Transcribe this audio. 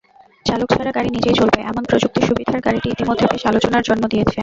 চালক ছাড়া গাড়ি নিজেই চলবে—এমন প্রযুক্তি-সুবিধার গাড়িটি ইতিমধ্যে বেশ আলোচনার জন্ম দিয়েছে।